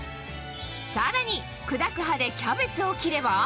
さらに砕く刃でキャベツを切ればあ。